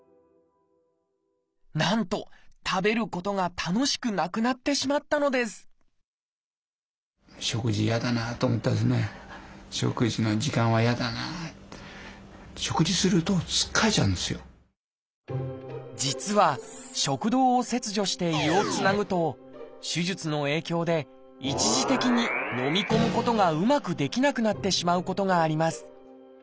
なんと食べることが楽しくなくなってしまったのです実は食道を切除して胃をつなぐと手術の影響で一時的にのみ込むことがうまくできなくなってしまうことがあります。